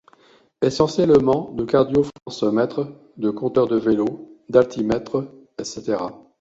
Essentiellement de cardiofréquencemètres, de compteur de vélo, d'altimètres, etc.